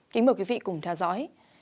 kính mời quý vị cùng theo dõi